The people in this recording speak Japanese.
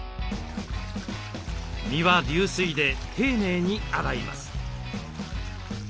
身は流水で丁寧に洗います。